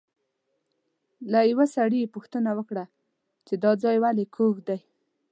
له یوه سړي یې پوښتنه وکړه چې دا ځای ولې کوږ دی.